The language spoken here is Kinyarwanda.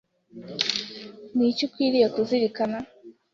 Ni iki ukwiriye kuzirikana